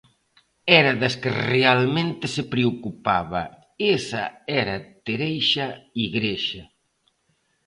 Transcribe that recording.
Era das que realmente se preocupaba, esa era Tereixa Igrexa.